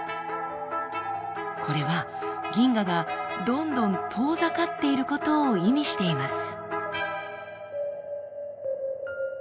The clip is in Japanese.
これは銀河がどんどん遠ざかっていることを意味しています。